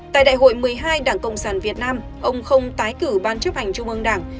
tại đại hội một mươi hai đảng cộng sản việt nam ông không tái cử ban chấp hành trung ương đảng